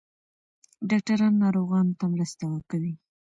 ډاکټران ناروغانو ته مرسته کوي.